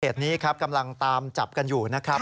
เหตุนี้ครับกำลังตามจับกันอยู่นะครับ